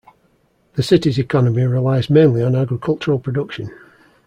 The City's economy relies mainly on agricultural production.